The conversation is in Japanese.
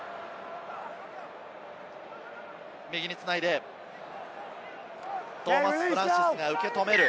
右に繋いで、トーマス・フランシスが受け止める。